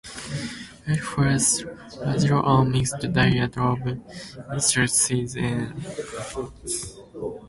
It feeds largely on a mixed diet of insects, seeds, and fruits.